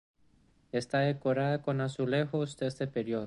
Está decorada con azulejos de este periodo.